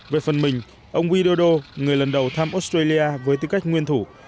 về phần mình ông widodo người lần đầu thăm australia với tư cách nguyên thủ